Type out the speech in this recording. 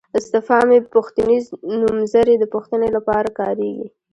استفهامي یا پوښتنیز نومځري د پوښتنې لپاره کاریږي.